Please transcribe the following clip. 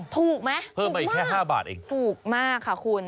ถูกไหมเพิ่มมาอีกแค่๕บาทเองถูกมากค่ะคุณ